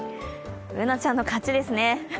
Ｂｏｏｎａちゃんの勝ちですね。